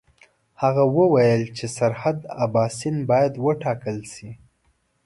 هغه وویل چې سرحد اباسین باید وټاکل شي.